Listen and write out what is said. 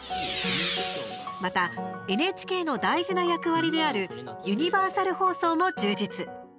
また、ＮＨＫの大事な役割であるユニバーサル放送も充実。